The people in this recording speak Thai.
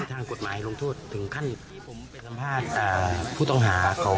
จะให้ทางกฎหมายลงโทษถึงขั้นไหนครับ